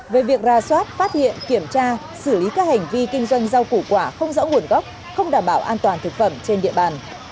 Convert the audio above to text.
về việc ra soát phát hiện kiểm tra xử lý các hành vi kinh doanh rau củ quả không rõ nguồn gốc không đảm bảo an toàn thực phẩm trên địa bàn